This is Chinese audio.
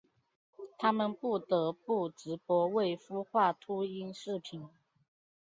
他们不得不直播未孵化秃鹰视频。